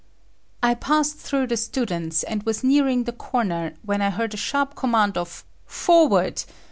I passed through the students, and was nearing the corner, when I heard a sharp command of "Forward!"